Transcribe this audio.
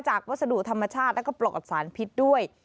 วัสดุธรรมชาติแล้วก็ปลอดสารพิษด้วย